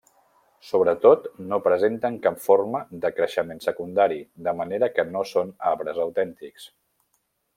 Sobretot no presenten cap forma de creixement secundari, de manera que no són arbres autèntics.